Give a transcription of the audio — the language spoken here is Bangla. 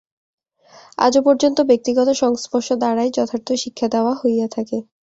আজও পর্যন্ত ব্যক্তিগত সংস্পর্শ দ্বারাই যথার্থ শিক্ষা দেওয়া হইয়া থাকে।